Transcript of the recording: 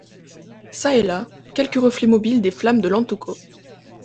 Çà et là, quelques reflets mobiles des flammes de l’Antuco.